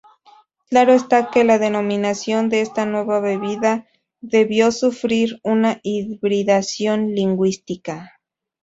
Claro está que la denominación de esta nueva bebida debió sufrir una hibridación lingüística.